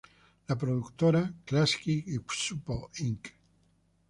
La productora "Klasky-Csupo, Inc.